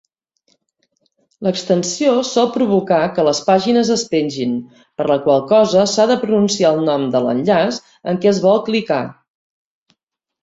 L'extensió sol provocar que les pàgines es pengin, per la qual cosa s'ha de pronunciar el nom de l'enllaç en què es vol clicar.